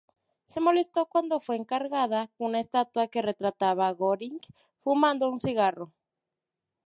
Se molestó cuando fue encargada una estatua que retrataba a Göring fumando un cigarro.